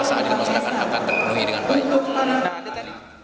akan terpenuhi dengan baik